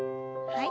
はい。